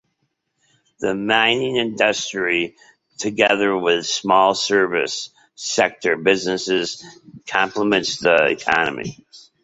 The mining industry, together with small service sector businesses, complements the economy.